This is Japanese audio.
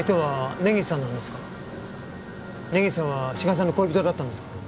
根岸さんは志賀さんの恋人だったんですか？